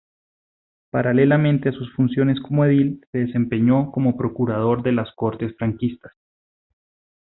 Paralelamente a sus funciones como edil, se desempeñó como procurador de las Cortes franquistas.